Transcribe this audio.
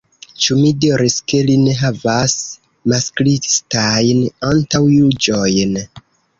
Ĉu mi diris ke li ne havas masklistajn antaŭjuĝojn?